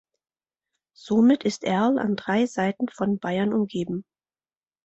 Somit ist Erl an drei Seiten von Bayern umgeben.